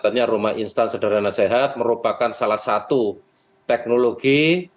katanya rumah instans sederhana sehat merupakan salah satu teknologi